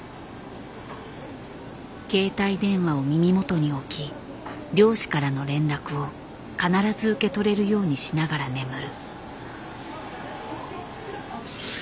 携帯電話を耳元に置き漁師からの連絡を必ず受け取れるようにしながら眠る。